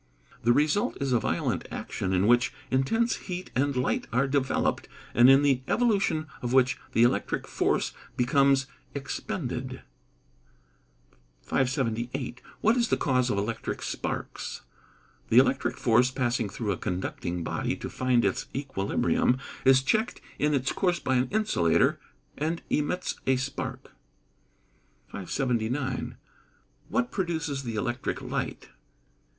_ The result is a violent action in which, intense heat and light are developed, and in the evolution of which the electric force becomes expended. 578. What is the cause of electric sparks? The electric force, passing through a conducting body to find its equilibrium, is checked in its course by an insulator, and emits a spark. 579. _What produces the electric light?